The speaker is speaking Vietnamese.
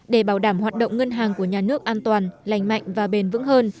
để bảo đảm hoạt động ngân hàng của nhà nước an toàn lành mạnh và bền vững hơn